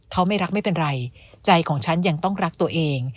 เขาไม่รักไม่เป็นไรใจของฉันยังต้องรักตัวเอง